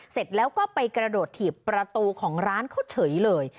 เสร็จแล้วก็ไปกระโดดถีบประตูของร้านเขาเฉยเลย